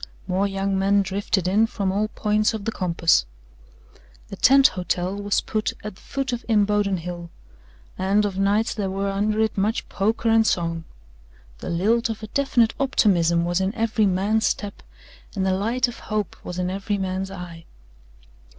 More young men drifted in from all points of the compass. A tent hotel was put at the foot of Imboden Hill, and of nights there were under it much poker and song. The lilt of a definite optimism was in every man's step and the light of hope was in every man's eye.